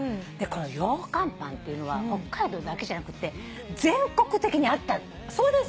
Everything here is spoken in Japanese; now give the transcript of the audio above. このようかんパンっていうのは北海道だけじゃなくって全国的にあった。